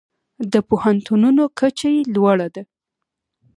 د پوهنتونونو کچه یې لوړه ده.